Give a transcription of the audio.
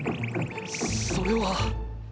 そそれは。